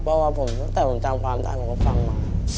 เพราะว่าผมตั้งแต่ผมจำความได้ผมก็ฟังมา